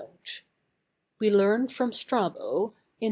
We learn from Strabo, Ind.